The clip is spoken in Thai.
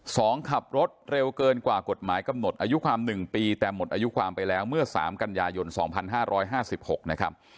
ขับรถเร็วเกินกว่ากฎหมายกำหนดอายุความหนึ่งปีแต่หมดอายุความไปแล้วเมื่อสามกันยายนสองพันห้าร้อยห้าสิบหกนะครับ